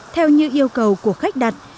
theo như yêu cầu của khách đặt